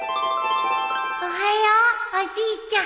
おはようおじいちゃん。